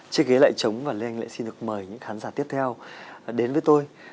chiếc ghế lại trống và lê anh lại xin được mời những khán giả tiếp theo đến với tôi